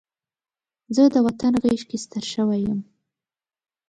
زه د وطن غېږ کې ستر شوی یم